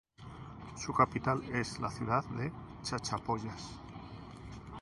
Su capital es la ciudad de Chachapoyas.